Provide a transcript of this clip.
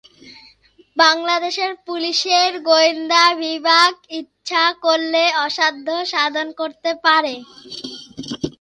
বাংলাদেশের পুলিশের গোয়েন্দা বিভাগ ইচ্ছা করলে অসাধ্য সাধন করতে পারে।